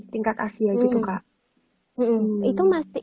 tingkat asia gitu kak